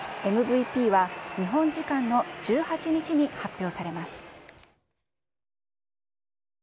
ＭＶＰは日本時間の１８日に発表されます。